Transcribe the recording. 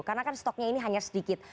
karena kan stoknya ini hanya sedikit